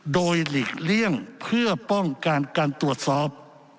โดยหลีกเลี่ยงเพื่อป้องกันการตรวจสอบ